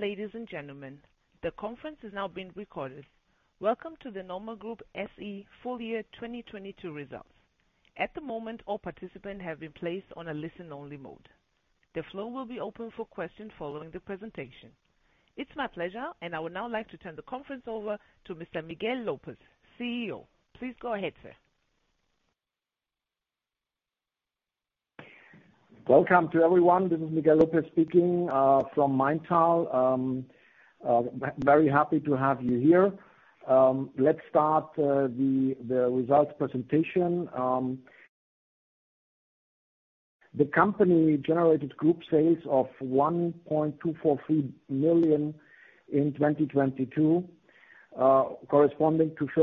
Afternoon, ladies and gentlemen. The conference is now being recorded. Welcome to the NORMA Group SE full year 2022 results. At the moment, all participants have been placed on a listen-only mode. The floor will be open for questions following the presentation. It's my pleasure. I would now like to turn the conference over to Mr. Miguel López, CEO. Please go ahead, sir. Welcome to everyone. This is Miguel López speaking from Maintal. Very happy to have you here. Let's start the results presentation. The company generated group sales of 1.243 million in 2022, corresponding to a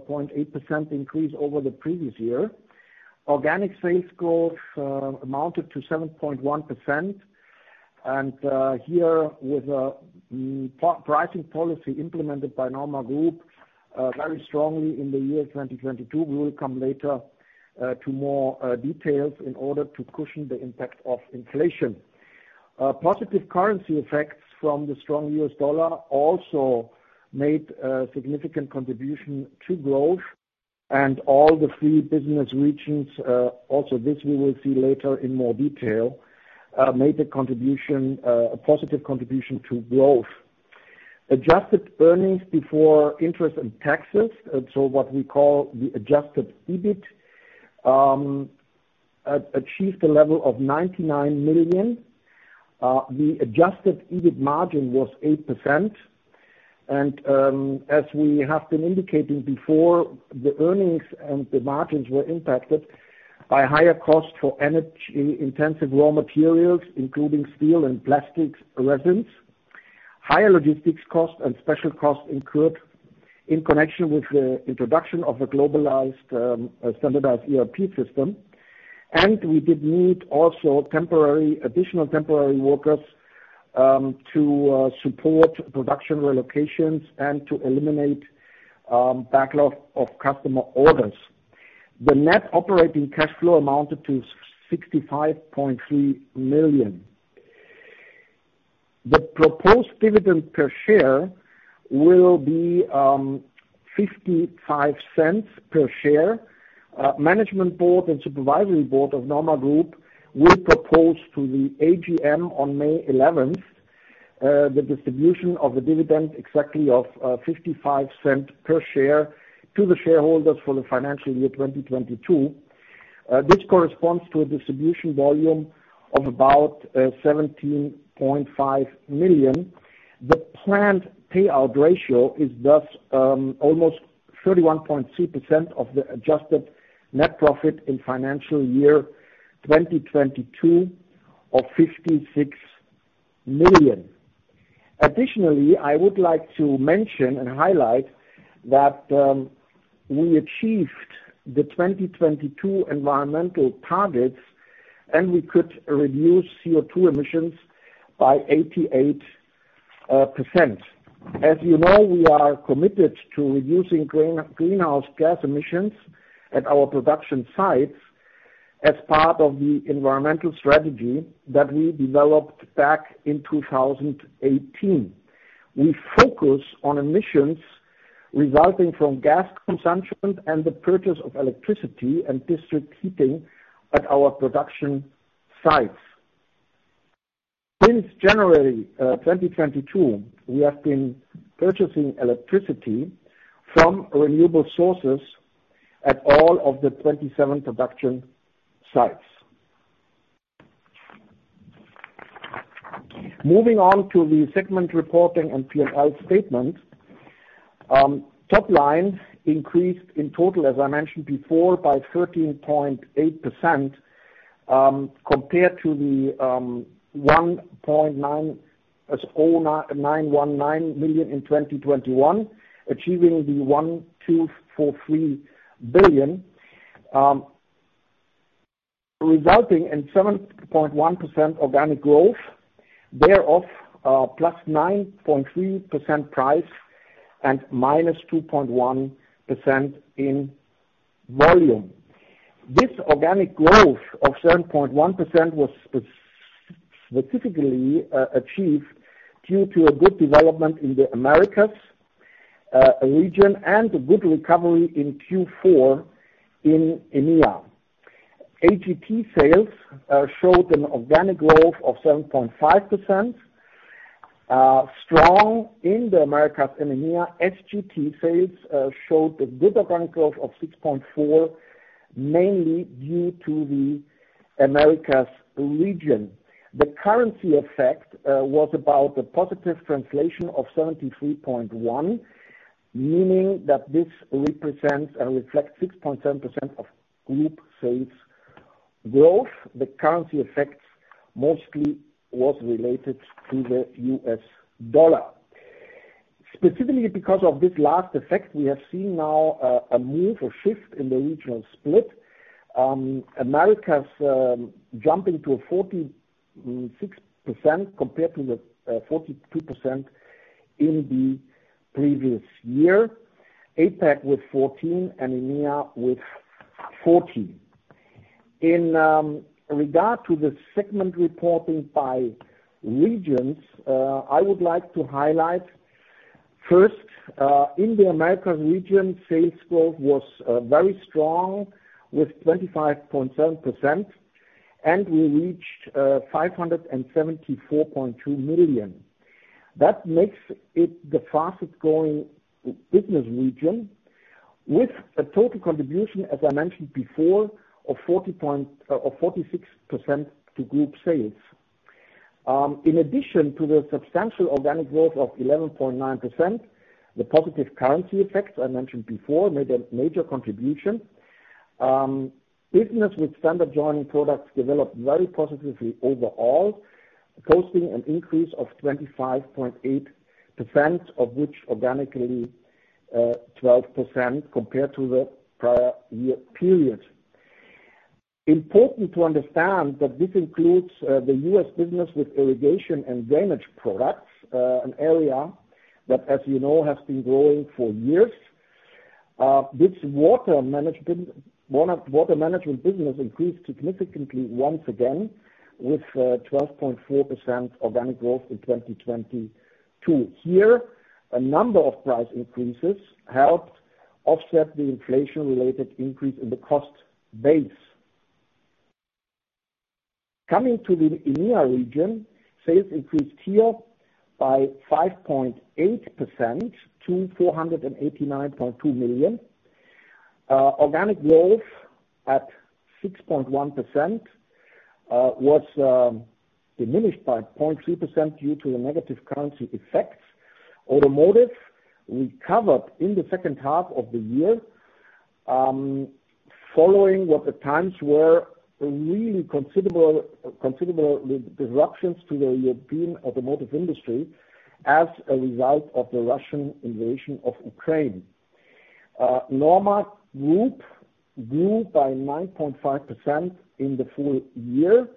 13.8% increase over the previous year. Organic sales growth amounted to 7.1% and here with pricing policy implemented by NORMA Group very strongly in the year 2022. We will come later to more details in order to cushion the impact of inflation. Positive currency effects from the strong U.S. dollar also made a significant contribution to growth. All the three business regions, also this we will see later in more detail, made a contribution, a positive contribution to growth. ,Adjusted earnings before interest and taxes, what we call the adjusted EBIT, achieved a level of 99 million. The adjusted EBIT margin was 8%. As we have been indicating before, the earnings and the margins were impacted by higher costs for energy-intensive raw materials, including steel and plastics resins, higher logistics costs and special costs incurred in connection with the introduction of a globalized, standardized ERP system. We did need also temporary, additional temporary workers to support production relocations and to eliminate backlog of customer orders. The net operating cash flow amounted to 65.3 million. The proposed dividend per share will be 0.55 per share. Management board and supervisory board of NORMA Group will propose to the AGM on May 11th the distribution of the dividend exactly of 0.55 per share to the shareholders for the financial year 2022. This corresponds to a distribution volume of about 17.5 million. The planned payout ratio is thus almost 31.3% of the adjusted net profit in financial year 2022 or 56 million. Additionally, I would like to mention and highlight that we achieved the 2022 environmental targets, and we could reduce CO₂ emissions by 88%. As you know, we are committed to reducing greenhouse gas emissions at our production sites as part of the environmental strategy that we developed back in 2018. We focus on emissions resulting from gas consumption and the purchase of electricity and district heating at our production sites. Since January 2022, we have been purchasing electricity from renewable sources at all of the 27 production sites. Moving on to the segment reporting and P&L statement. Top line increased in total, as I mentioned before, by 13.8%, compared to the 1,091.9 million in 2021, achieving the 1.243 billion, resulting in 7.1% organic growth, thereof, +9.3% price and -2.1% in volume. This organic growth of 7.1% was specifically achieved due to a good development in the Americas region and good recovery in Q4 in EMEA. AGP sales showed an organic growth of 7.5%, strong in the Americas and EMEA. SJT sales showed a good organic growth of 6.4%, mainly due to the Americas region. The currency effect was about a positive translation of 73.1, meaning that this represents and reflects 6.7% of group sales growth. The currency effect mostly was related to the U.S. dollar. Specifically because of this last effect, we have seen now a move or shift in the regional split, Americas jumping to 46% compared to the 42% in the previous year, APAC with 14% and EMEA with 14%. In regard to the segment reporting by regions, I would like to highlight first, in the American region, sales growth was very strong with 25.7%, and we reached 574.2 million. That makes it the fastest growing business region with a total contribution, as I mentioned before, of 46% to group sales. In addition to the substantial organic growth of 11.9%, the positive currency effects I mentioned before made a major contribution. Business with standard joining products developed very positively overall, posting an increase of 25.8%, of which organically, 12% compared to the prior year period. Important to understand that this includes the U.S. business with irrigation and drainage products, an area that, as you know, has been growing for years. This water management business increased significantly once again with 12.4% organic growth in 2022. Here, a number of price increases helped offset the inflation-related increase in the cost base. Coming to the EMEA region, sales increased here by 5.8% to 489.2 million. Organic growth at 6.1% was diminished by 0.3% due to the negative currency effects. Automotive recovered in the second half of the year, following what at times were really considerable disruptions to the European automotive industry as a result of the Russian invasion of Ukraine. NORMA Group grew by 9.5% in the full year,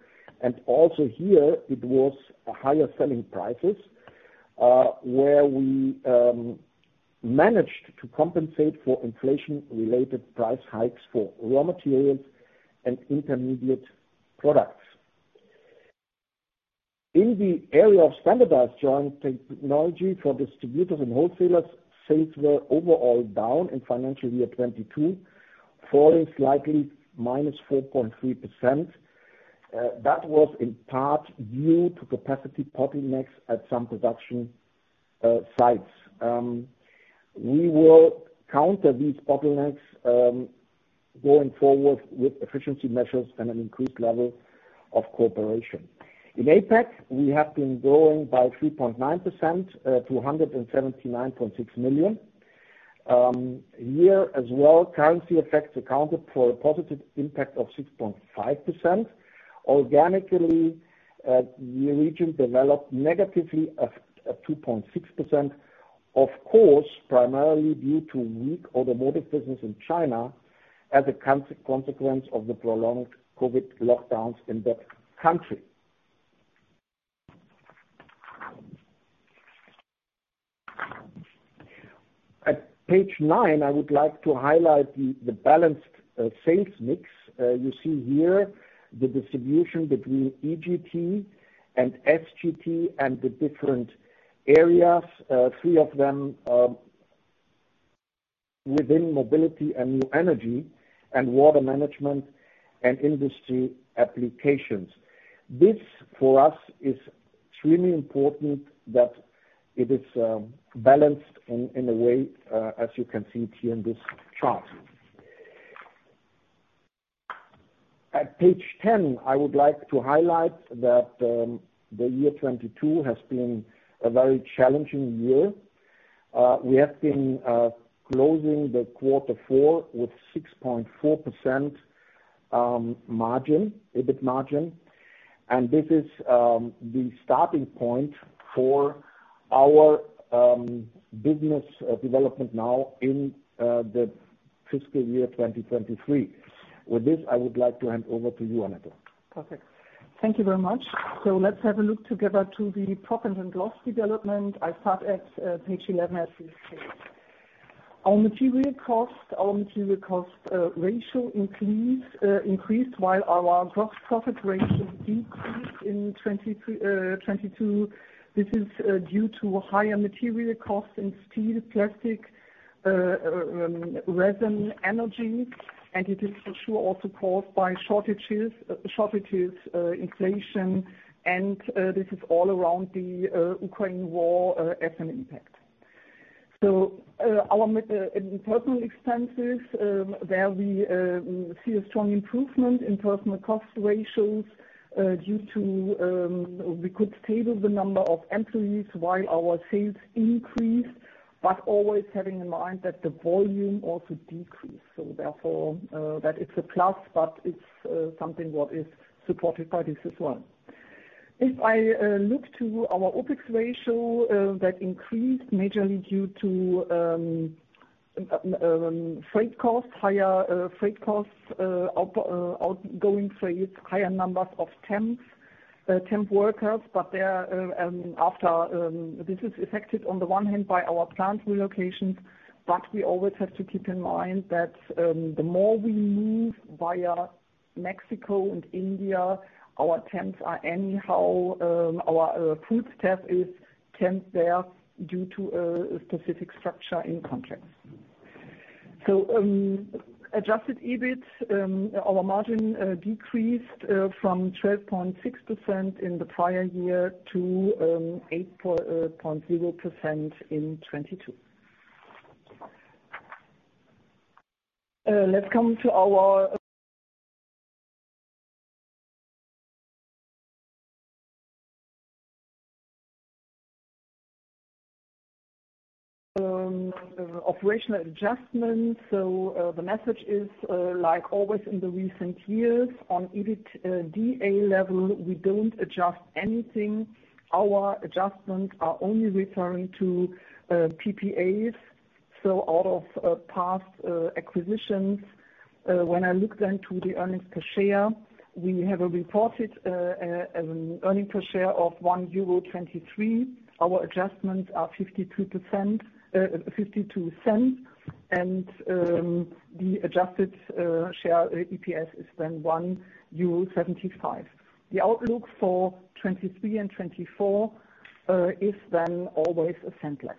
and also here it was higher selling prices, where we managed to compensate for inflation-related price hikes for raw materials and intermediate products. In the area of Standardized Joining Technology for distributors and wholesalers, sales were overall down in financial year 2022, falling slightly -4.3%. That was in part due to capacity bottlenecks at some production sites. We will counter these bottlenecks going forward with efficiency measures and an increased level of cooperation. In APAC, we have been growing by 3.9% to 179.6 million. Here as well, currency effects accounted for a positive impact of 6.5%. Organically, the region developed negatively at 2.6%, of course, primarily due to weak automotive business in China as a consequence of the prolonged COVID lockdowns in that country. At page nine, I would like to highlight the balanced sales mix. You see here the distribution between EJT and SJT and the different areas, three of them, within mobility and new energy and water management and industry applications. This, for us, is extremely important that it is balanced in a way, as you can see it here in this chart. At page 10, I would like to highlight that the year 2022 has been a very challenging year. We have been closing the quarter four with 6.4% margin, EBIT margin. This is the starting point for our business development now in the fiscal year 2023. With this, I would like to hand over to you, Annette. Perfect. Thank you very much. Let's have a look together to the profit and loss development. I start at page 11 as you see. Our material cost ratio increased while our gross profit ratio decreased in 2022. This is due to higher material costs in steel, plastic, resin, energy, and it is for sure also caused by shortages, inflation, and this is all around the Ukraine war as an impact. Our personal expenses, there we see a strong improvement in personal cost ratios due to we could stable the number of employees while our sales increased, but always having in mind that the volume also decreased. Therefore, that it's a plus, but it's something what is supported by this as well. If I look to our OpEx ratio, that increased majorly due to freight costs, higher freight costs, outgoing freights, higher numbers of temp workers, but they are after this is affected on the one hand by our plant relocations, but we always have to keep in mind that the more we move via Mexico and India, our temps are anyhow, our footstep is temp there due to a specific structure in contracts. Adjusted EBIT, our margin decreased from 12.6% in the prior year to 8.0% in 2022. Let's come to our operational adjustments. The message is like always in the recent years, on EBITDA level, we don't adjust anything. Our adjustments are only referring to PPAs, so out of past acquisitions. When I look then to the earnings per share, we have a reported an earning per share of 1.23 euro. Our adjustments are 52%, 0.52. The adjusted share EPS is then 1.75 euro. The outlook for 2023 and 2024 is then always EUR 0.01 less.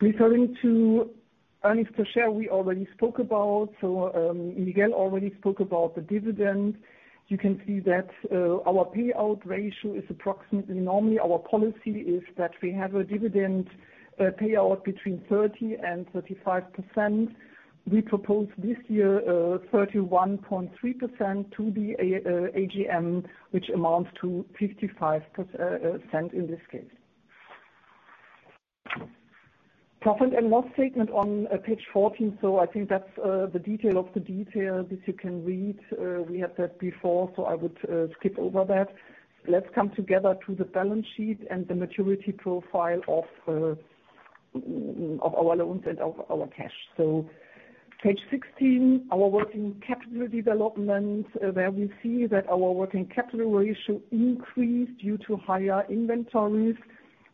Referring to earnings per share we already spoke about, Miguel already spoke about the dividend. You can see that our payout ratio is approximately. Normally, our policy is that we have a dividend payout between 30% and 35%. We propose this year, 31.3% to the AGM, which amounts to 0.55 in this case. Profit and loss statement on page 14, I think that's the detail of the detail that you can read. We had that before, I would skip over that. Let's come together to the balance sheet and the maturity profile of our loans and of our cash. Page 16, our working capital development, where we see that our working capital ratio increased due to higher inventories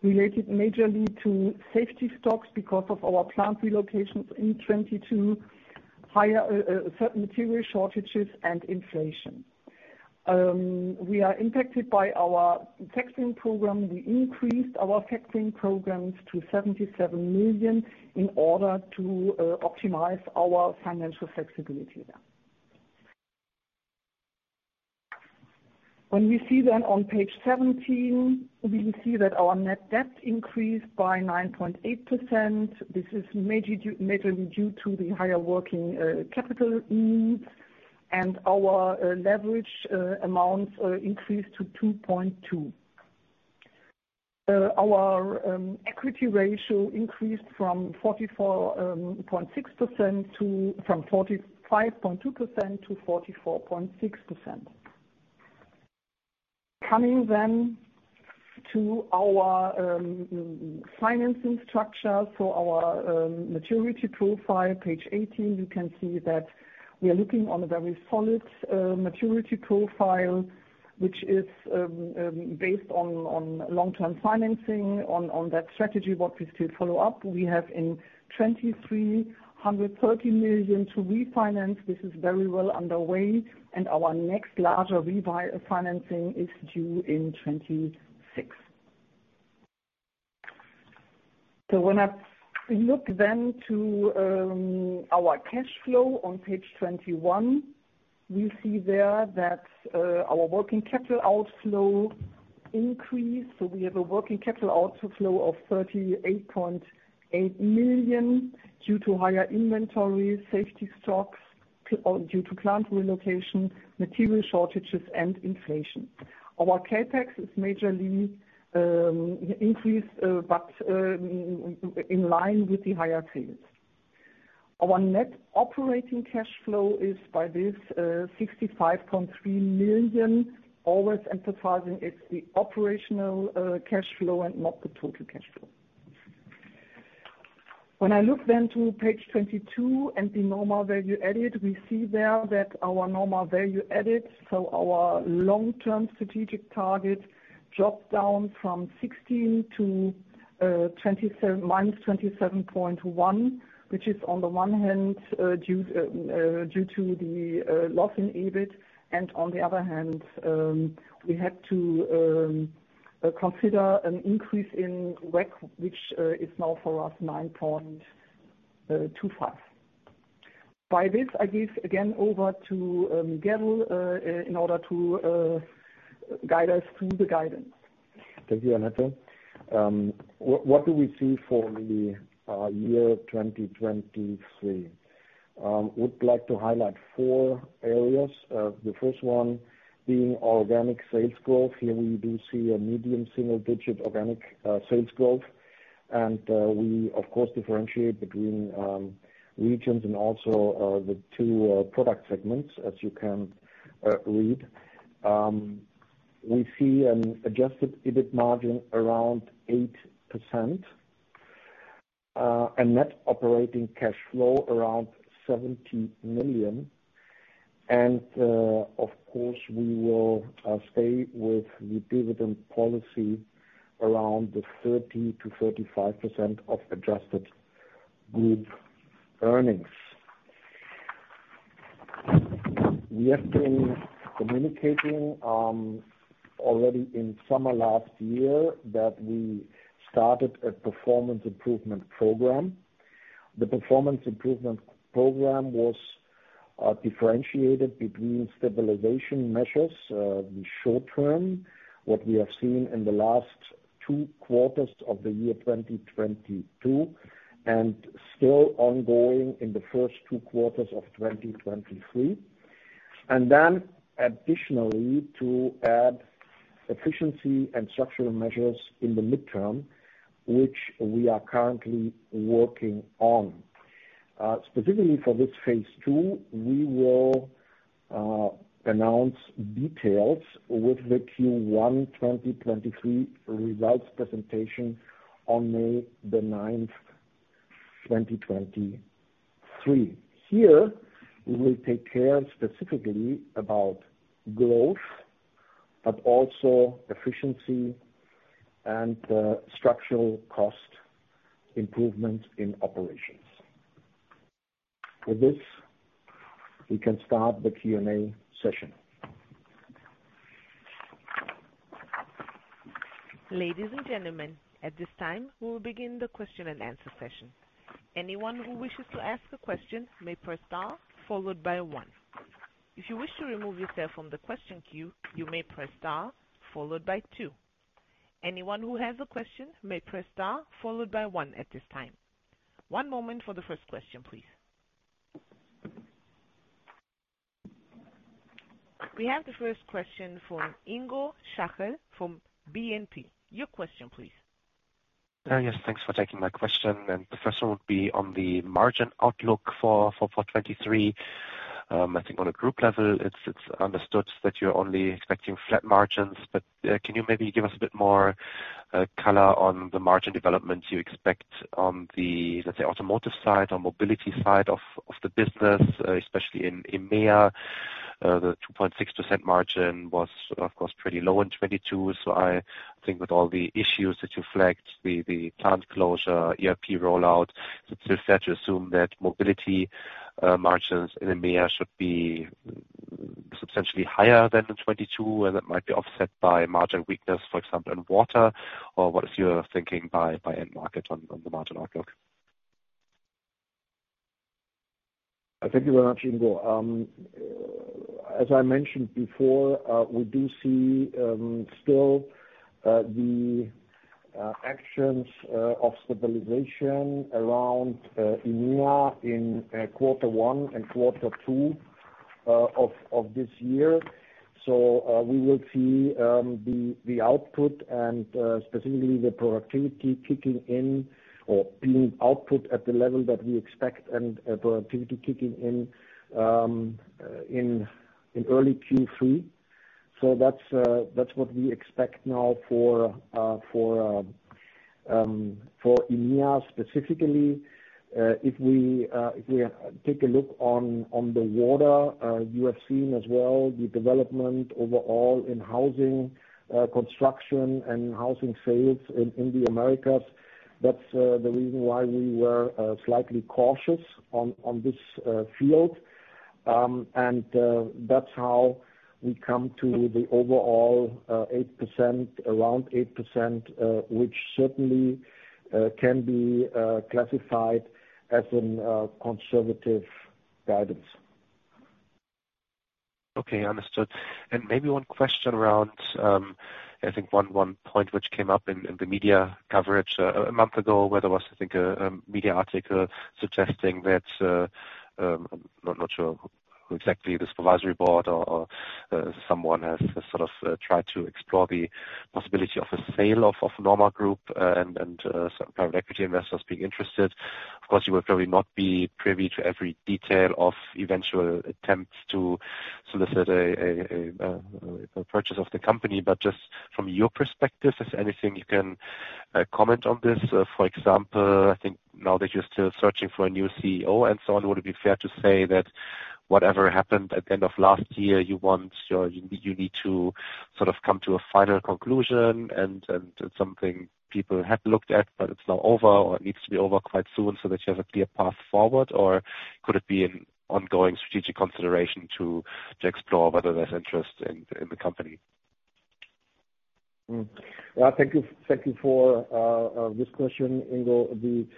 related majorly to safety stocks because of our plant relocations in 2022, higher certain material shortages and inflation. We are impacted by our factoring program. We increased our factoring programs to 77 million in order to optimize our financial flexibility there. We see on page 17 that our net debt increased by 9.8%. This is majorly due to the higher working capital needs, and our leverage amounts increased to 2.2. Our equity ratio increased from 44.6% to, from 45.2% to 44.6%. Coming to our financing structure. Our maturity profile, page 18, you can see that we are looking on a very solid maturity profile, which is based on long-term financing on that strategy, what we still follow up. We have in 2023 130 million to refinance. This is very well underway, and our next larger rebuy financing is due in 2026. When I look to our cash flow on page 21, we see there that our working capital outflow increased. We have a working capital outflow of 38.8 million due to higher inventory, safety stocks, or due to plant relocation, material shortages and inflation. Our CapEx is majorly increased, but in line with the higher sales. Our net operating cash flow is by this 65.3 million, always emphasizing it's the operational cash flow and not the total cash flow. When I look then to page 22 and the normal value added, we see there that our normal value added, so our long-term strategic target dropped down from 16 to -27.1, which is on the one hand, due to the loss in EBIT. On the other hand, we had to consider an increase in WACC, which is now for us 9.25%. By this, I give again over to Miguel, in order to guide us through the guidance. Thank you, Annette. What do we see for the year 2023? would like to highlight four areas. The first one being organic sales growth. Here we do see a medium single digit organic sales growth. We of course differentiate between regions and also the two product segments, as you can read. We see an adjusted EBIT margin around 8%. A net operating cash flow around 70 million. Of course, we will stay with the dividend policy around the 30%-35% of adjusted good earnings. We have been communicating already in summer last year that we started a performance improvement program. The performance improvement program was differentiated between stabilization measures in short term, what we have seen in the last two quarters of the year 2022, and still ongoing in the first two quarters of 2023. Additionally to add efficiency and structural measures in the midterm, which we are currently working on. Specifically for this phase II, we will announce details with the Q1 2023 results presentation on May 9th, 2023. Here, we will take care specifically about growth, but also efficiency and structural cost improvement in operations. With this, we can start the Q&A session. Ladies and gentlemen, at this time, we will begin the question-and-answer session. Anyone who wishes to ask a question may press star followed by one. If you wish to remove yourself from the question queue, you may press star followed by two. Anyone who has a question may press star followed by one at this time. One moment for the first question, please. We have the first question from Ingo Schachel from BNP. Your question please. Yes. Thanks for taking my question. The first one would be on the margin outlook for 2023. I think on a group level, it's understood that you're only expecting flat margins. Can you maybe give us a bit more color on the margin development you expect on the, let's say, automotive side or mobility side of the business, especially in EMEA? The 2.6% margin was, of course, pretty low in 2022. I think with all the issues that you flagged, the plant closure, ERP rollout, is it fair to assume that mobility margins in EMEA should be substantially higher than in 2022, and that might be offset by margin weakness, for example, in water, or what is your thinking by end market on the margin outlook? Thank you very much, Ingo. As I mentioned before, we do see still the actions of stabilization around EMEA in quarter one and quarter two of this year. We will see the output and specifically the productivity kicking in or being output at the level that we expect and productivity kicking in in early Q3. That's what we expect now for for EMEA specifically. If we take a look on the water, you have seen as well the development overall in housing construction and housing sales in the Americas. That's the reason why we were slightly cautious on this field. That's how we come to the overall, 8%, around 8%, which certainly can be classified as an conservative guidance. Okay. Understood. Maybe one question around, I think one point which came up in the media coverage a month ago, where there was, I think, a media article suggesting that I'm not sure who exactly the supervisory board or someone has sort of tried to explore the possibility of a sale of NORMA Group, and some private equity investors being interested. Of course, you would probably not be privy to every detail of eventual attempts to solicit a purchase of the company. But just from your perspective, is there anything you can comment on this? I think now that you're still searching for a new CEO and so on, would it be fair to say that whatever happened at the end of last year, you need to sort of come to a final conclusion and it's something people have looked at, but it's now over or it needs to be over quite soon so that you have a clear path forward. Could it be an ongoing strategic consideration to explore whether there's interest in the company? Well, thank you. Thank you for this question, Ingo.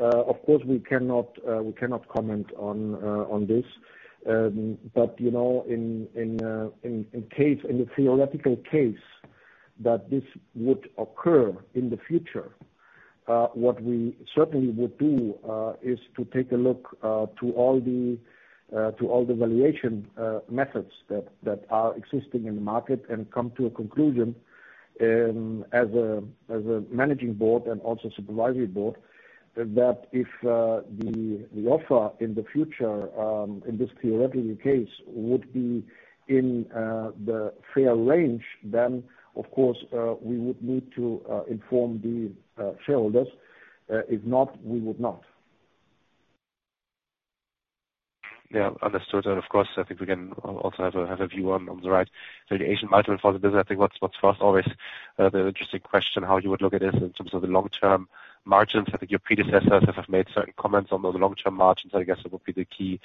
Of course we cannot comment on this. You know, in case, in the theoretical case that this would occur in the future, what we certainly would do is to take a look to all the valuation methods that are existing in the market and come to a conclusion as a Managing Board and also Supervisory Board, that if the offer in the future, in this theoretical case, would be in the fair range, then of course, we would need to inform the shareholders. If not, we would not. Yeah, understood. Of course, I think we can also have a view on the right valuation item for the business. What's for us always the interesting question, how you would look at this in terms of the long-term margins. Your predecessors have made certain comments on those long-term margins, I guess it would be the key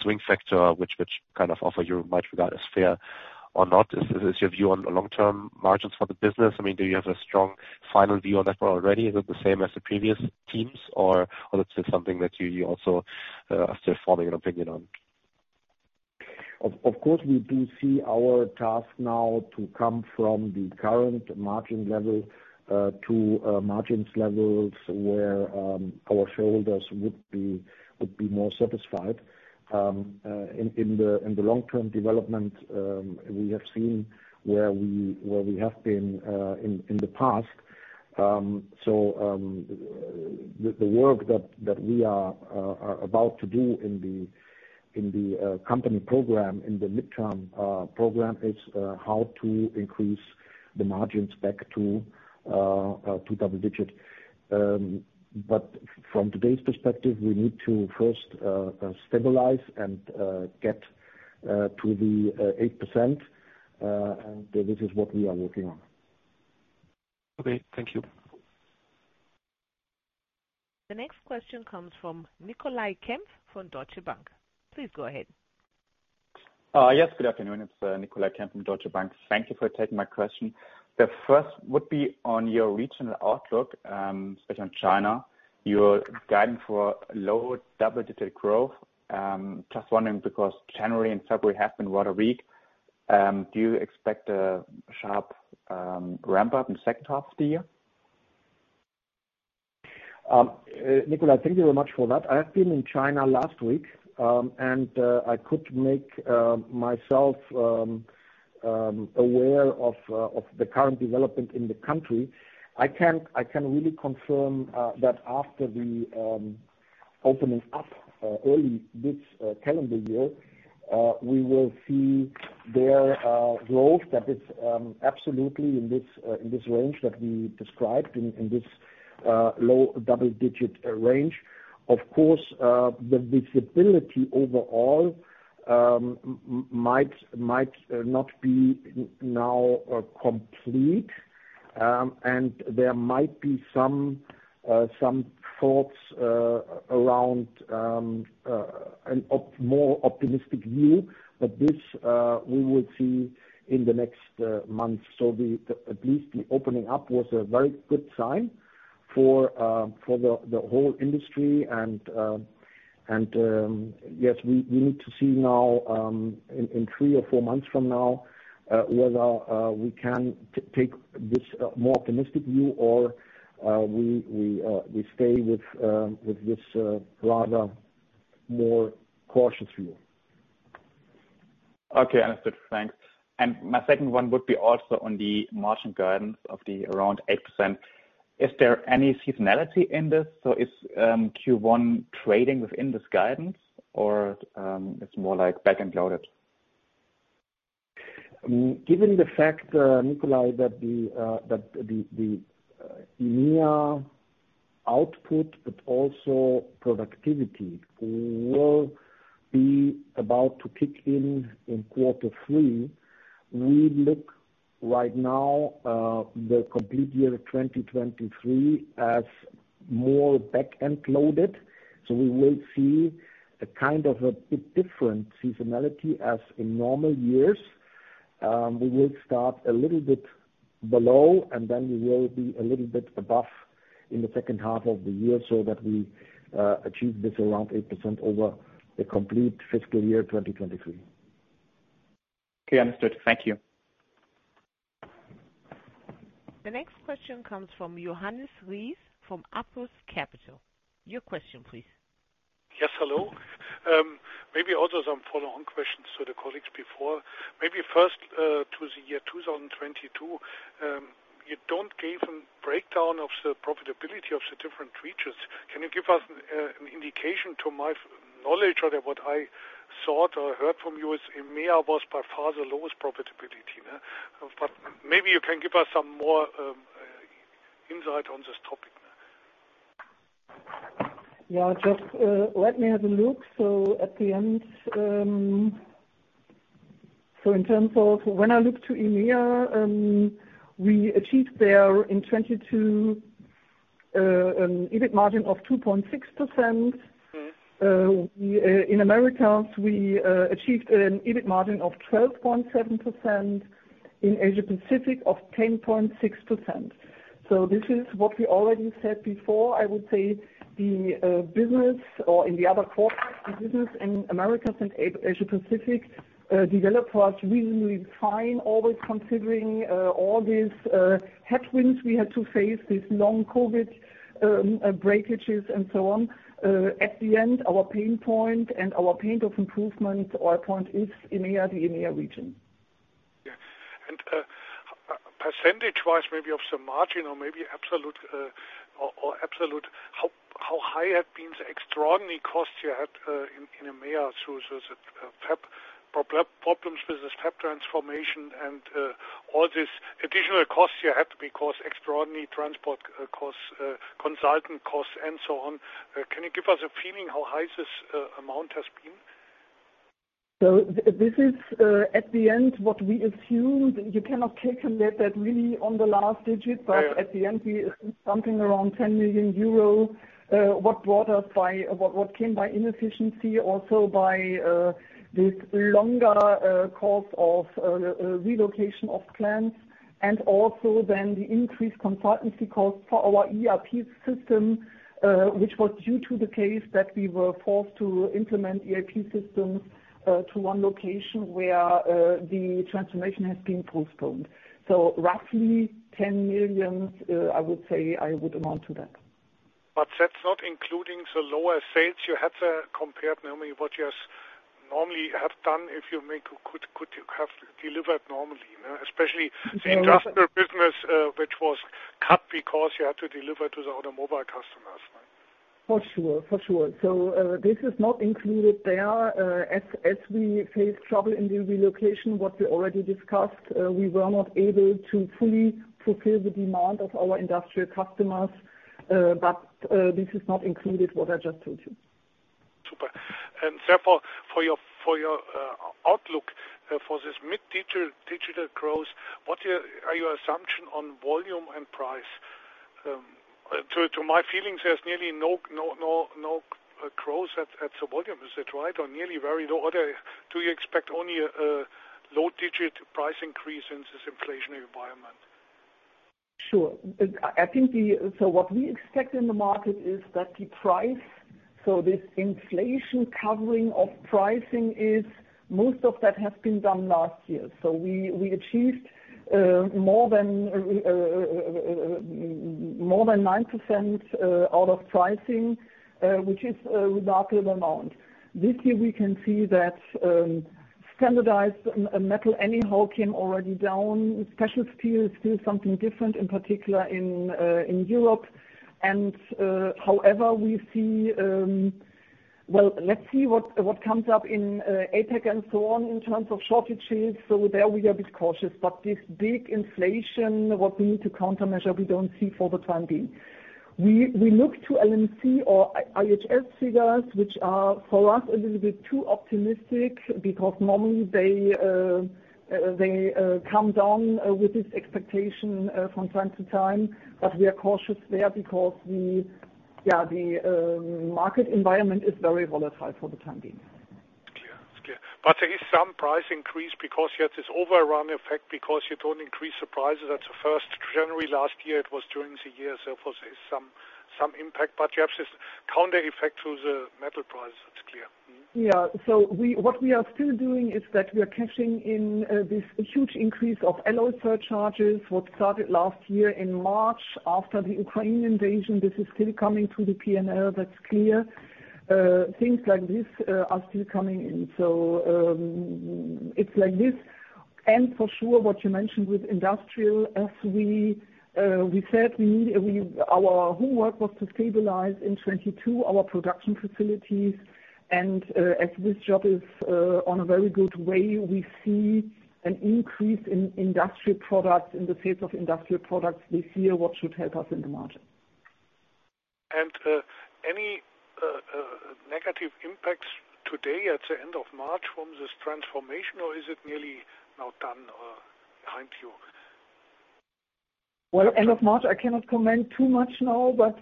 swing factor which kind of offer you might regard as fair or not. Is this your view on the long-term margins for the business? I mean, do you have a strong final view on that one already? Is it the same as the previous teams, or is it something that you also are still forming an opinion on? Of course, we do see our task now to come from the current margin level to margins levels where our shareholders would be more satisfied. In the long-term development, we have seen where we have been in the past. The work that we are about to do in the company program, in the midterm program, is how to increase the margins back to double digit. From today's perspective, we need to first stabilize and get to the 8%, and this is what we are working on. Okay, thank you. The next question comes from Nicolai Kempf from Deutsche Bank. Please go ahead. Yes, good afternoon. It's Nicolai Kempf from Deutsche Bank. Thank you for taking my question. The first would be on your regional outlook, especially on China. Your guidance for low double-digit growth. Just wondering because January and February have been rather weak, do you expect a sharp ramp up in second half of the year? Nicolai, thank you very much for that. I have been in China last week, and I could make myself aware of the current development in the country. I can really confirm that after the opening up early this calendar year, we will see there growth that is absolutely in this in this range that we described, in this low double-digit range. Of course, the visibility overall might not be complete. There might be some thoughts around a more optimistic view. This we will see in the next months. The, at least the opening up was a very good sign for the whole industry and, yes, we need to see now, in three or four months from now, whether we can take this more optimistic view or we stay with this rather more cautious view. Okay, understood. Thanks. My second one would be also on the margin guidance of the around 8%. Is there any seasonality in this? Is Q1 trading within this guidance or it's more like back-end loaded? Given the fact, Nicolai, that the EMEA output, but also productivity, will be about to kick in in quarter three, we look right now the complete year 2023 as more back-end loaded. We will see a kind of a bit different seasonality as in normal years. We will start a little bit below, and then we will be a little bit above in the second half of the year so that we achieve this around 8% over the complete fiscal year 2023. Okay, understood. Thank you. The next question comes from Johannes Ries from Apus Capital. Your question, please. Yes, hello. Maybe also some follow-on questions to the colleagues before. Maybe first, to the year 2022. You don't give a breakdown of the profitability of the different regions. Can you give us an indication? To my knowledge or what I saw or heard from you is EMEA was by far the lowest profitability, neh? Maybe you can give us some more insight on this topic. Yeah. Just let me have a look. At the end, in terms of when I look to EMEA, we achieved there in 2022, EBIT margin of 2.6%. We in Americas, we achieved an EBIT margin of 12.7%. In Asia Pacific of 10.6%. This is what we already said before. I would say the business or in the other quarters, the business in Americas and Asia Pacific developed quite reasonably fine. Always considering all these headwinds we had to face, these long COVID breakages and so on. At the end, our pain point and our pain of improvement or point is EMEA, the EMEA region. Yeah. Percentage-wise, maybe of the margin or maybe absolute, or absolute, how high have been the extraordinary costs you had in EMEA through problems with the step transformation, all this additional costs you had because extraordinary transport costs, consultant costs and so on. Can you give us a feeling how high this amount has been? This is, at the end what we assumed. You cannot take from that really on the last digit. Yeah, yeah. At the end, we assumed something around 10 million euro, what came by inefficiency, also by this longer cost of relocation of plants, and also then the increased consultancy costs for our ERP system. Which was due to the case that we were forced to implement ERP systems to one location where the transformation has been postponed. Roughly 10 million, I would say, I would amount to that. That's not including the lower sales you had, compared normally, what you normally have done if you make, you have delivered normally, you know? So that. The industrial business, which was cut because you had to deliver to the other mobile customers. For sure, for sure. This is not included there. As we faced trouble in the relocation, what we already discussed, we were not able to fully fulfill the demand of our industrial customers. This is not included what I just told you. Super. Therefore, for your outlook, for this mid-digit, digital growth, what are your assumption on volume and price? To my feelings, there's nearly no growth at the volume. Is that right? Nearly very low. Do you expect only a low digit price increase in this inflationary environment? Sure. What we expect in the market is that the price, so this inflation covering of pricing is. Most of that has been done last year. We achieved more than 9% out of pricing, which is a remarkable amount. This year we can see that standardized metal anyhow came already down. Special steel is still something different, in particular in Europe. However, we see. Well, let's see what comes up in APAC and so on in terms of shortages. There we are bit cautious. This big inflation, what we need to countermeasure, we don't see for the time being. We look to LMC or IHS figures, which are, for us, a little bit too optimistic, because normally they come down with this expectation from time to time. We are cautious there because the market environment is very volatile for the time being. Clear. It's clear. There is some price increase because you have this overrun effect because you don't increase the prices at the first January last year, it was during the year, so of course there is some impact. You have this counter effect through the metal prices. That's clear. Yeah. What we are still doing is that we are cashing in this huge increase of alloy surcharges, what started last year in March after the Ukraine invasion. This is still coming to the P&L, that's clear. Things like this are still coming in. It's like this. For sure, what you mentioned with industrial, as we said, our whole work was to stabilize in 2022 our production facilities. As this job is on a very good way, we see an increase in industrial products, in the sales of industrial products this year, what should help us in the margin. Any negative impacts today at the end of March from this transformation, or is it nearly now done or behind you? Well, end of March, I cannot comment too much now, but.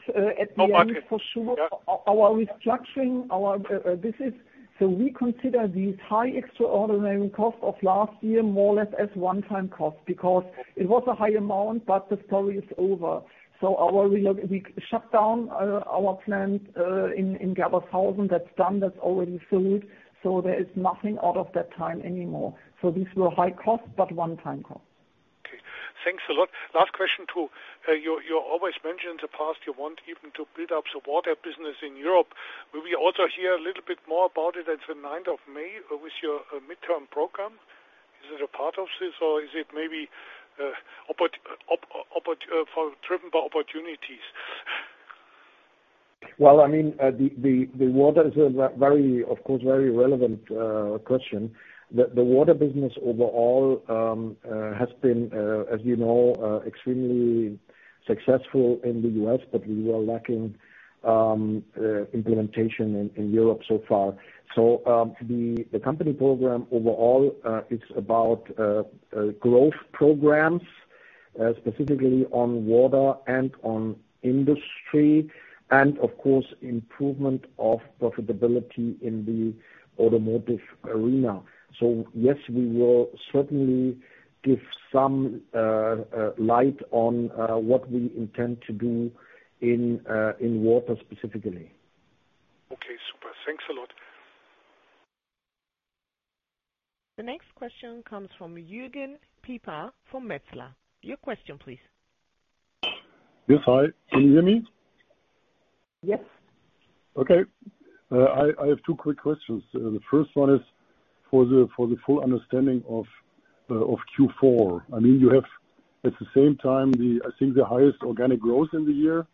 No market. Yeah. For sure. Our restructuring, our, this is. We consider these high extraordinary cost of last year more or less as one-time cost. It was a high amount, but the story is over. We shut down our plant in Gerbershausen. That's done, that's already sold, so there is nothing out of that time anymore. These were high costs, but one-time costs. Okay. Thanks a lot. Last question too. You always mentioned in the past you want even to build up the water business in Europe. Will we also hear a little bit more about it at the 9th of May with your midterm program? Is it a part of this or is it maybe driven by opportunities? I mean, the water is a very, of course, very relevant question. The water business overall has been, as you know, extremely successful in the U.S., but we were lacking implementation in Europe so far. The company program overall is about growth programs specifically on water and on industry, and of course, improvement of profitability in the automotive arena. Yes, we will certainly give some light on what we intend to do in water specifically. Okay, super. Thanks a lot. The next question comes from Jürgen Pieper from Metzler. Your question please. Yes. Hi, can you hear me? Yes. Okay. I have two quick questions. The first one is for the full understanding Of Q4. I mean, you have at the same time the, I think the highest organic growth in the year,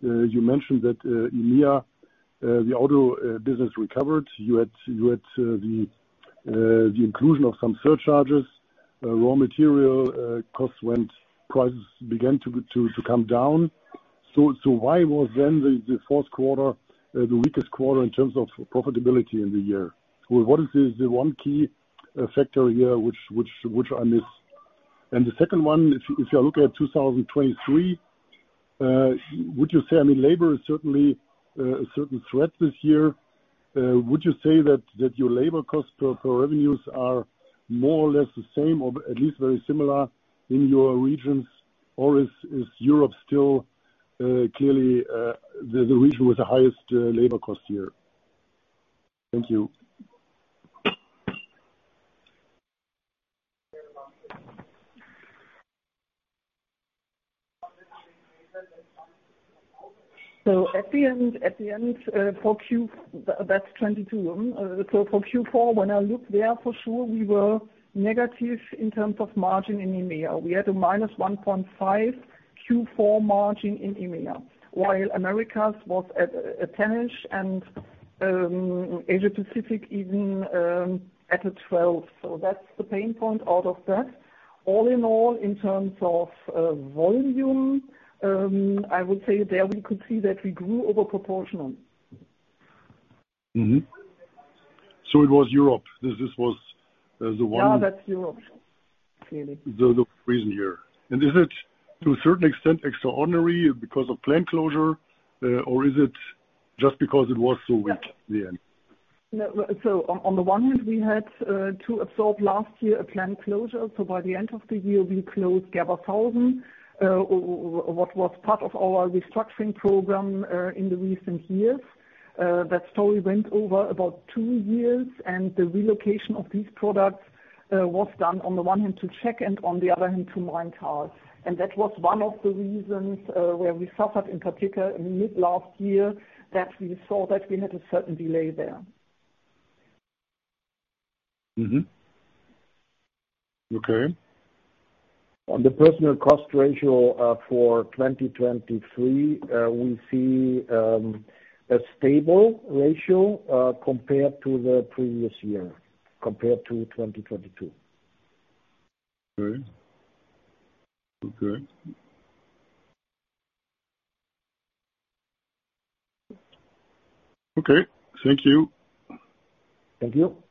you mentioned that EMEA the auto business recovered, you had the inclusion of some surcharges, raw material costs went, prices began to come down. Why was then the fourth quarter the weakest quarter in terms of profitability in the year? What is the one key factor here which I miss? The second one, if you look at 2023, would you say, I mean labor is certainly a certain threat this year? Would you say that your labor costs per revenues are more or less the same, or at least very similar in your regions? Is Europe still, clearly, the region with the highest labor cost here? Thank you. At the end, at the end OF 4Q That's 2022. For Q4, when I look there for sure we were negative in terms of margin in EMEA. We had a -1.5% Q4 margin in EMEA, while Americas was at 10% and Asia-Pacific even at 12%. That's the pain point out of that. All in all, in terms of volume, I would say there we could see that we grew over proportional. It was Europe. This was. Yeah, that's Europe. Clearly. The reason here. Is it to a certain extent extraordinary because of plant closure, or is it just because it was so? At the end? No. On the one hand, we had to absorb last year a plant closure. By the end of the year we closed Gerbershausen, what was part of our restructuring program in the recent years. That story went over about two years, the relocation of these products was done on the one hand to Czech and on the other hand to Maintal. That was one of the reasons where we suffered in particular in mid last year, that we saw that we had a certain delay there. Okay. On the personal cost ratio, for 2023, we see a stable ratio compared to the previous year, compared to 2022. Okay. Okay. Okay. Thank you. Thank you.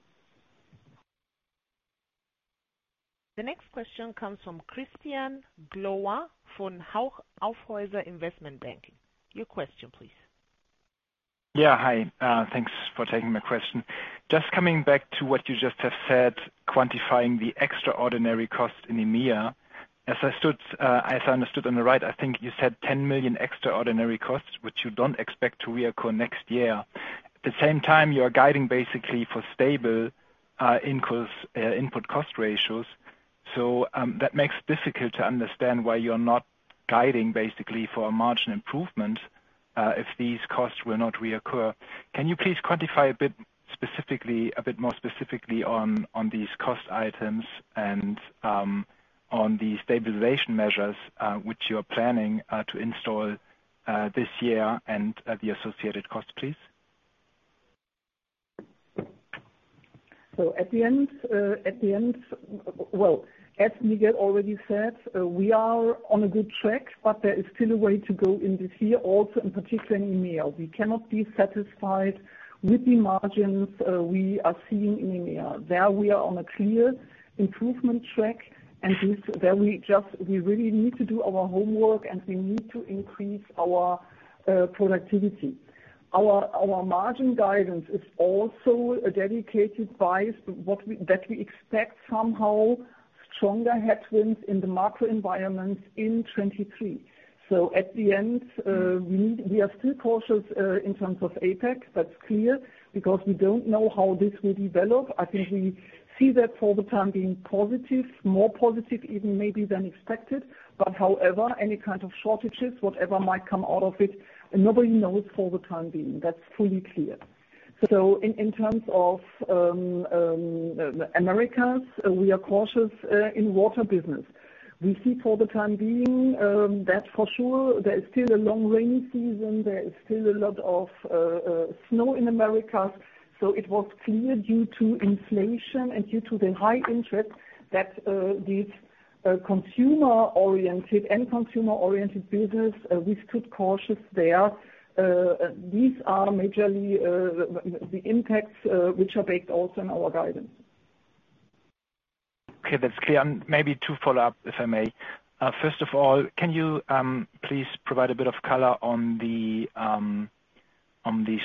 The next question comes from Christian Glowa from Hauck & Aufhäuser Investment Banking. Your question please. Hi. Thanks for taking my question. Just coming back to what you just have said, quantifying the extraordinary costs in EMEA. As I understood on the right, I think you said 10 million extraordinary costs, which you don't expect to reoccur next year. At the same time, you are guiding basically for stable input cost ratios. That makes difficult to understand why you're not guiding basically for a margin improvement if these costs will not reoccur. Can you please quantify a bit specifically, a bit more specifically on these cost items and on the stabilization measures which you're planning to install this year and the associated costs, please? At the end, as Miguel already said, we are on a good track, but there is still a way to go in this year also in particular in EMEA. We cannot be satisfied with the margins we are seeing in EMEA. There we are on a clear improvement track, we really need to do our homework, and we need to increase our productivity. Our margin guidance is also a dedicated price, that we expect somehow stronger headwinds in the macro environment in 2023. At the end, we are still cautious in terms of APAC. That's clear, because we don't know how this will develop. I think we see that for the time being positive, more positive even maybe than expected. However, any kind of shortages, whatever might come out of it, nobody knows for the time being. That's fully clear. In terms of Americas, we are cautious in water business. We see for the time being that for sure there is still a long rainy season. There is still a lot of snow in Americas. It was clear due to inflation and due to the high interest that these consumer-oriented, end consumer-oriented business, we stood cautious there. These are majorly the impacts which are baked also in our guidance. Okay, that's clear. Maybe 2 follow up, if I may. First of all, can you please provide a bit of color on the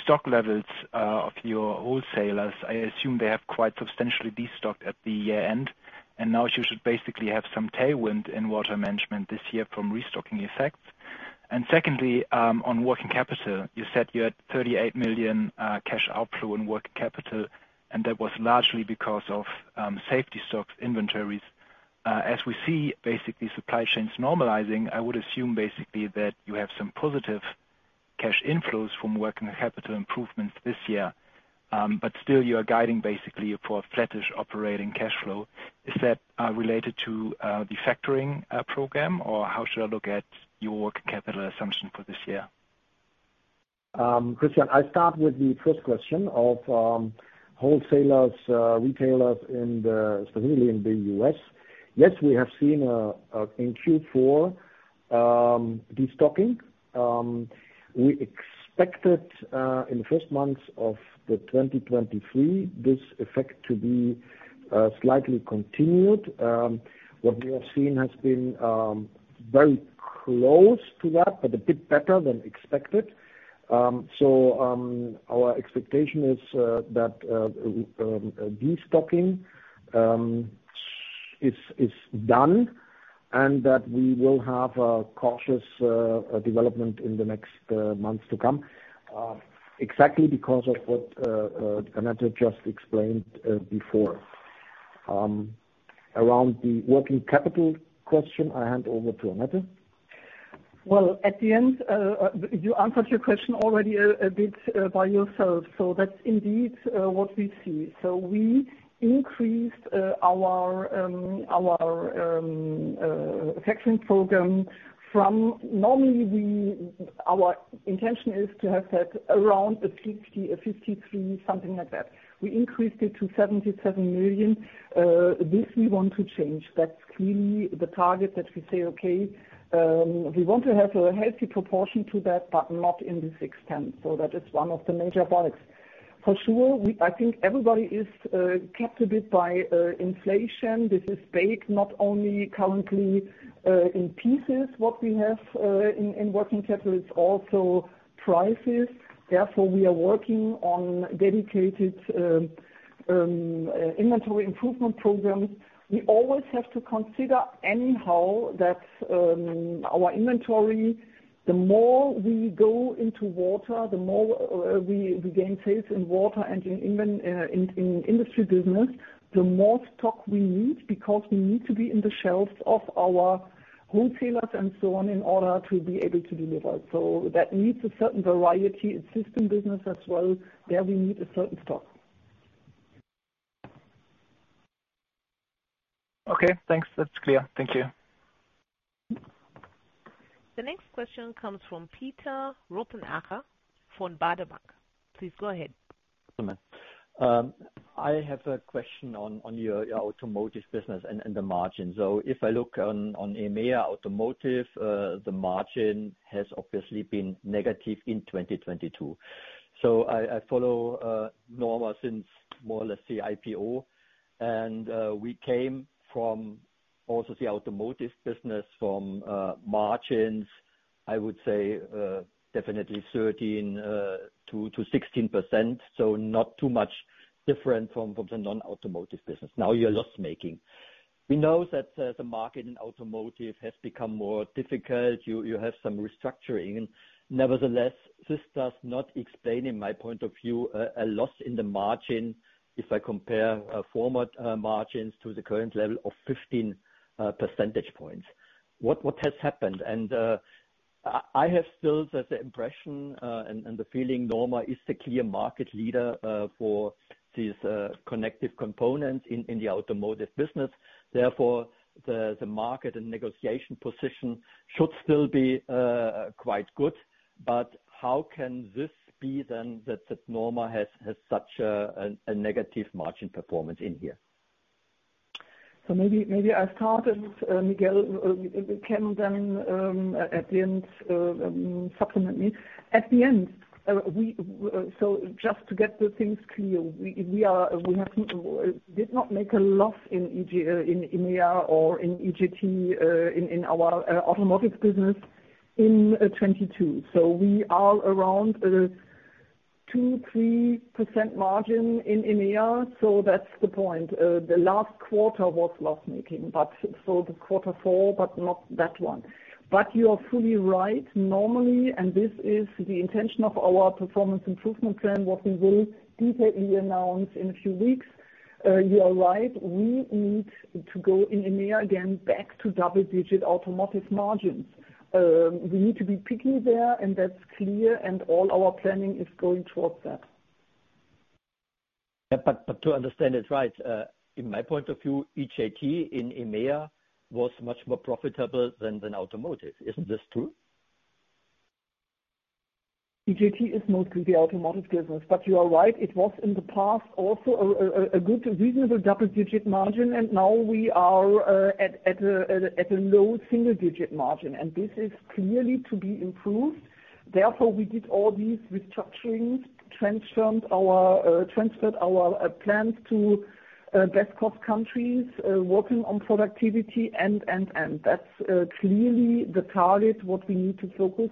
stock levels of your wholesalers? I assume they have quite substantially destocked at the year-end, and now you should basically have some tailwind in water management this year from restocking effects. Secondly, on working capital, you said you had 38 million cash outflow in working capital, and that was largely because of safety stock inventories. As we see basically supply chains normalizing, I would assume basically that you have some positive cash inflows from working capital improvements this year, but still you are guiding basically for a flattish operating cash flow. Is that related to the factoring program, or how should I look at your working capital assumption for this year? Christian, I start with the first question of wholesalers, retailers in the, especially in the U.S. Yes, we have seen in Q4 destocking. We expected in the first months of 2023 this effect to be slightly continued. What we have seen has been very close to that, but a bit better than expected. Our expectation is that destocking is done and that we will have a cautious development in the next months to come. Exactly because of what Annette just explained before. Around the working capital question, I hand over to Annette. Well, at the end, you answered your question already a bit by yourself. That's indeed what we see. We increased our factoring program from normally our intention is to have that around 50, 53, something like that. We increased it to 77 million. This we want to change. That's clearly the target that we say, "Okay, we want to have a healthy proportion to that, but not in this extent." That is one of the major points. For sure, I think everybody is captivated by inflation. This is big, not only currently in pieces, what we have in working capital, it's also prices. Therefore, we are working on dedicated inventory improvement programs. We always have to consider anyhow that our inventory, the more we go into water, the more we gain sales in water and in industry business, the more stock we need because we need to be in the shelves of our wholesalers and so on in order to be able to deliver. That needs a certain variety. In system business as well, there we need a certain stock. Okay, thanks. That's clear. Thank you. The next question comes from Peter Rothenaicher from Baader Bank. Please go ahead. I have a question on your automotive business and the margin. If I look on EMEA automotive, the margin has obviously been negative in 2022. We came from also the automotive business from margins, I would say, definitely 13%-16%. Not too much different from the non-automotive business. Now you're loss making. We know that the market in automotive has become more difficult. You have some restructuring. Nevertheless, this does not explain, in my point of view, a loss in the margin if I compare former margins to the current level of 15 percentage points. What has happened? I have still the impression and the feeling NORMA is the clear market leader for these connective components in the automotive business. Therefore, the market and negotiation position should still be quite good. How can this be then that NORMA has such a negative margin performance in here? Maybe, maybe I'll start and Miguel can then at the end supplement me. At the end, just to get the things clear, we did not make a loss in EMEA or in EJT in our automotive business in 2022. We are around 2%-3% margin in EMEA. That's the point. The last quarter was loss-making, but so the quarter four, but not that one. You are fully right. Normally, and this is the intention of our performance improvement plan, what we will deeply announce in a few weeks, you are right, we need to go in EMEA again back to double-digit automotive margins. We need to be picky there, and that's clear, and all our planning is going towards that. Yeah, to understand it right, in my point of view, EJT in EMEA was much more profitable than automotive. Isn't this true? EJT is not the automotive business. You are right, it was in the past also a good reasonable double-digit margin, and now we are at a low single-digit margin, and this is clearly to be improved. Therefore, we did all these restructurings, transformed our, transferred our plans to best cost countries, working on productivity, and. That's clearly the target, what we need to focus.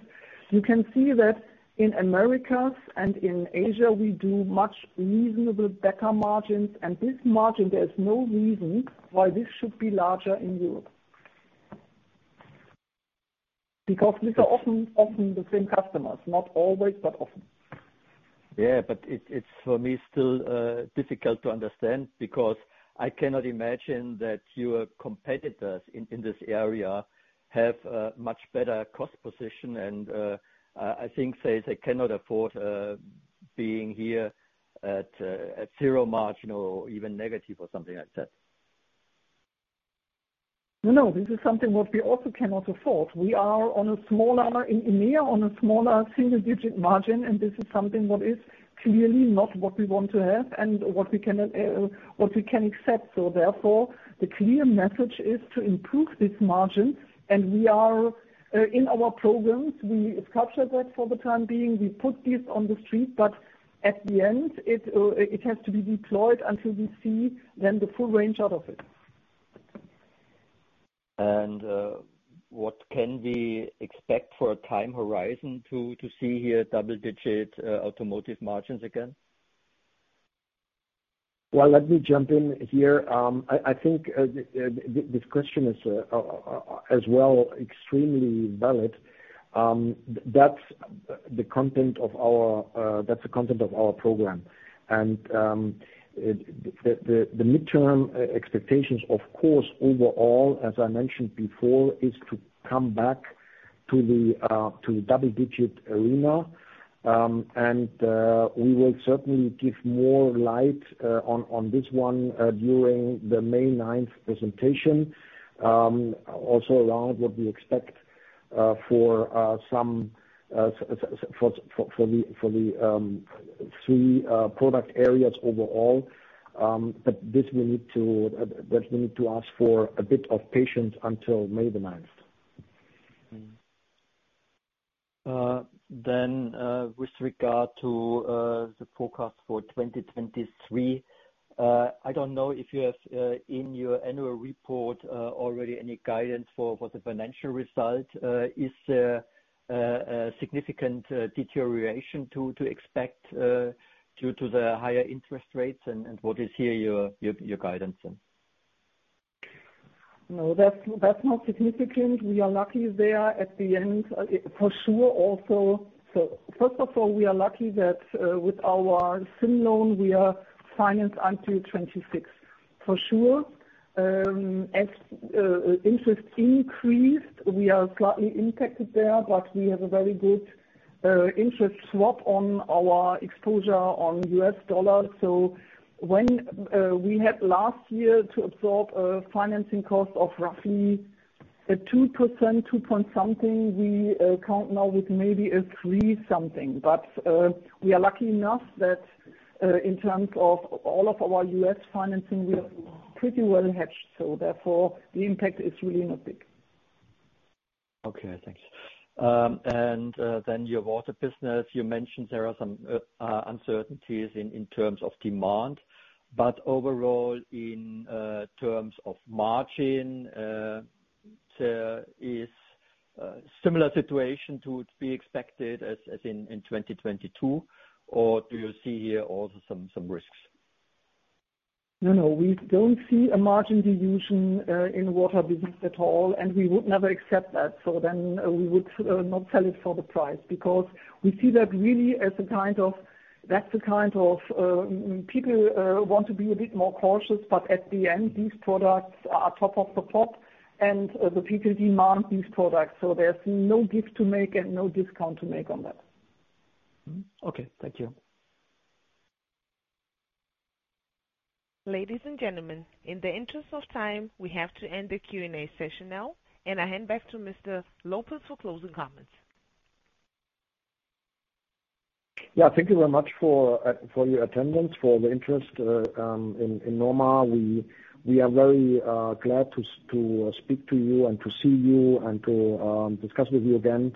You can see that in Americas and in Asia, we do much reasonable better margins. This margin, there is no reason why this should be larger in Europe. Because these are often the same customers. Not always, but often. It's for me still difficult to understand because I cannot imagine that your competitors in this area have a much better cost position and I think they cannot afford being here at zero margin or even negative or something like that. No, this is something what we also cannot afford. We are on a smaller single-digit margin, and this is something what is clearly not what we want to have and what we can accept. Therefore, the clear message is to improve this margin. We are in our programs, we structure that for the time being. We put this on the street, but at the end, it has to be deployed until we see then the full range out of it. What can we expect for a time horizon to see here double-digit automotive margins again? Well, let me jump in here. I think this question is as well extremely valid. That's the content of our program. The midterm expectations, of course, overall, as I mentioned before, is to come back to the double digit arena. We will certainly give more light on this one during the May 9th presentation, also around what we expect for some for the three product areas overall. We need to ask for a bit of patience until May the 9th. With regard to the forecast for 2023, I don't know if you have in your annual report already any guidance for the financial result. Is there a significant deterioration to expect due to the higher interest rates and what is here your guidance then? No, that's not significant. We are lucky there at the end. First of all, we are lucky that with our syn loan we are financed until 2026. For sure, as interest increased, we are slightly impacted there, but we have a very good interest swap on our exposure on U.S. dollars. When we had last year to absorb a financing cost of roughly a 2%, 2-point something, we account now with maybe a 3-something. We are lucky enough that in terms of all of our U.S. financing, we are pretty well hedged, so therefore the impact is really not big. Okay. Thanks. Your water business, you mentioned there are some uncertainties in terms of demand, but overall in terms of margin, there is a similar situation to be expected as in 2022, or do you see here also some risks? No, no, we don't see a margin dilution in water business at all, and we would never accept that. We would not sell it for the price because we see that really as a kind of. That's the kind of people want to be a bit more cautious, but at the end, these products are top of the pop and the people demand these products, so there's no gift to make and no discount to make on that. Okay. Thank you. Ladies and gentlemen, in the interest of time, we have to end the Q&A session now. I hand back to Mr. López for closing comments. Yeah, thank you very much for your attendance, for the interest in NORMA. We are very glad to speak to you and to see you and to discuss with you again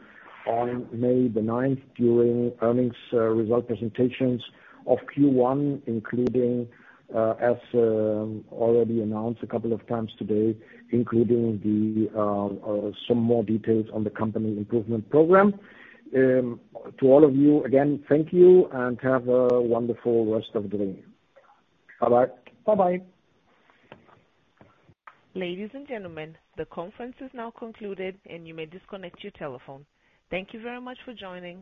on May 9th during earnings result presentations of Q1, including as already announced a couple of times today, including some more details on the performance improvement program. To all of you again, thank you and have a wonderful rest of the day. Bye-bye. Bye-bye. Ladies and gentlemen, the conference is now concluded and you may disconnect your telephone. Thank you very much for joining.